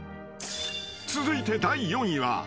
［続いて第４位は］